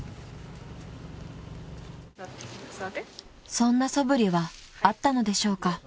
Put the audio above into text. ［そんなそぶりはあったのでしょうか？］